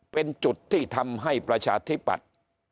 เป็นจุดที่ทำให้ประชาธิปัตย์